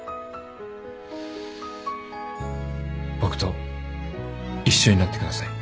僕と一緒になってください。